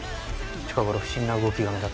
近頃不審な動きが目立つ。